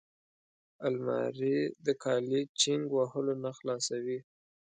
الماري د کالي چینګ وهلو نه خلاصوي